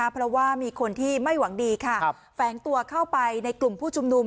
เพราะว่ามีคนที่ไม่หวังดีค่ะแฝงตัวเข้าไปในกลุ่มผู้ชุมนุม